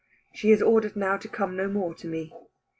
She is ordered now to come no more to me.